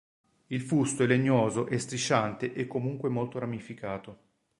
Il fusto è legnoso e strisciante e comunque molto ramificato.